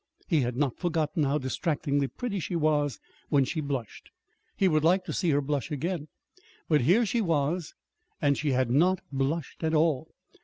He had not forgotten how distractingly pretty she was when she blushed. He would like to see her blush again. But here she was and she had not blushed at all.